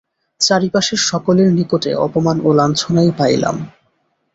চারিপাশের সকলের নিকটে অপমান ও লাঞ্ছনাই পাইলাম।